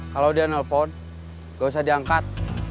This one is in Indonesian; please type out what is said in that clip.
kalau dia nelpon gak usah diangkat